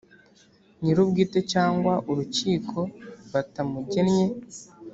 nyir ubwite cyangwa urukiko batamugennye